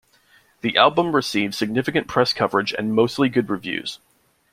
The album received significant press coverage and mostly good reviews.